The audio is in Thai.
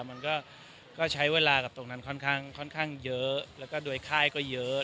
มันก็ใช้เวลากับตรงนั้นค่อนข้างเยอะแล้วก็โดยค่ายก็เยอะ